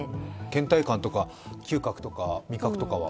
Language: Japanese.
けん怠感とか、嗅覚とか味覚とかは？